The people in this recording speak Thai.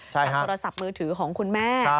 จากโทรศัพท์มือถือของคุณแม่